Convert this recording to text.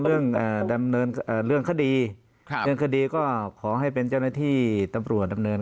เรื่องดำเนินเรื่องคดีก็ขอให้เป็นเจ้าหน้าที่ตำรวจดำเนิน